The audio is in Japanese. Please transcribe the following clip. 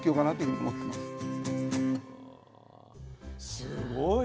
すごい。